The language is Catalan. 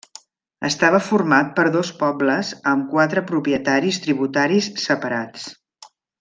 Estava format per dos pobles amb quatre propietaris tributaris separats.